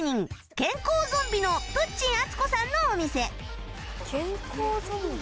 健康ゾンビのプッチンあつこさんのお店